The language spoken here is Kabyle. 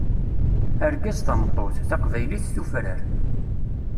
Argaz tameṭṭut, taqbaylit tufrar.